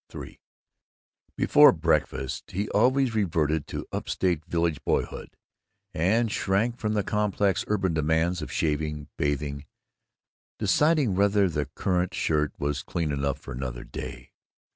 III Before breakfast he always reverted to up state village boyhood, and shrank from the complex urban demands of shaving, bathing, deciding whether the current shirt was clean enough for another day.